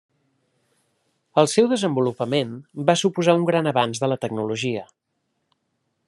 El seu desenvolupament va suposar un gran avanç de la tecnologia.